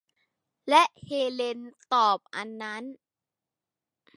และเฮเลนตอบ อันนั้น